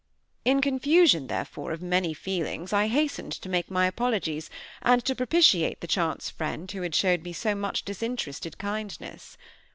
In a confusion, therefore, of many feelings, I hastened to make my apologies, and to propitiate the chance friend who had showed me so much disinterested kindness.